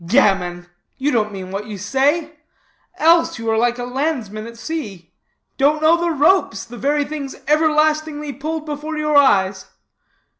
"Gammon! You don't mean what you say. Else you are like a landsman at sea: don't know the ropes, the very things everlastingly pulled before your eyes.